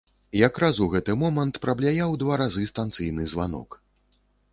Якраз у гэты момант прабляяў два разы станцыйны званок.